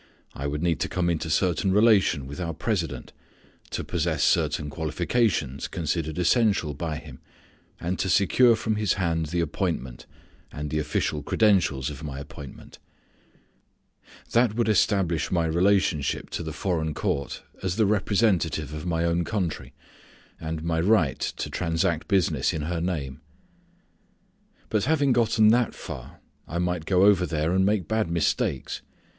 I would need to come into certain relation with our president, to possess certain qualifications considered essential by him, and to secure from his hand the appointment, and the official credentials of my appointment. That would establish my relationship to the foreign court as the representative of my own country, and my right to transact business in her name. But having gotten that far I might go over there and make bad mistakes.